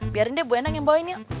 biarin deh bu endang yang bawain yuk